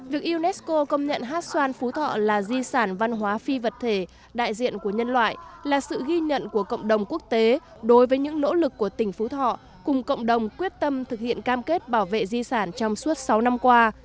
việc unesco công nhận hát xoan phú thọ là di sản văn hóa phi vật thể đại diện của nhân loại là sự ghi nhận của cộng đồng quốc tế đối với những nỗ lực của tỉnh phú thọ cùng cộng đồng quyết tâm thực hiện cam kết bảo vệ di sản trong suốt sáu năm qua